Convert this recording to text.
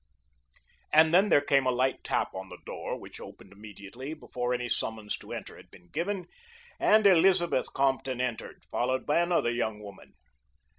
And then there came a light tap on the door, which opened immediately before any summons to enter had been given, and Elizabeth Compton entered, followed by another young woman.